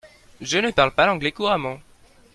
Je ne parle pas l'anglais couramment.